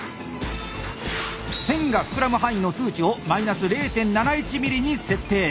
線が膨らむ範囲の数値を−０．７１ｍｍに設定。